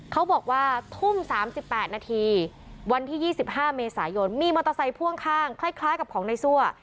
เขาบอกว่าทุ่ม๓๘นาทีวันที่๒๕เมษายนมีมอเตอร์ไซค์พ่วงข้างคล้ายกับของในซั่ว